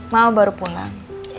mama baru pulang